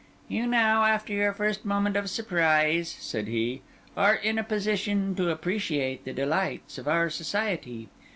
"You now, after your first moment of surprise," said he, "are in a position to appreciate the delights of our society.